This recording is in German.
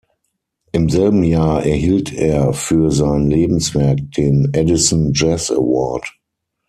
Im selben Jahr erhielt er für sein Lebenswerk den Edison Jazz Award.